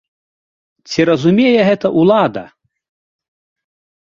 Ці разумее гэта ўлада?